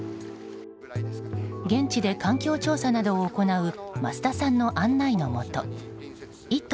現地で環境調査などを行う益田さんの案内のもと「イット！」